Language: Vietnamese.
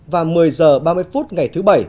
và một mươi h ba mươi phút ngày thứ bảy